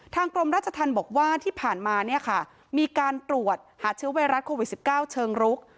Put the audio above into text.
กรมราชธรรมบอกว่าที่ผ่านมาเนี่ยค่ะมีการตรวจหาเชื้อไวรัสโควิด๑๙เชิงรุก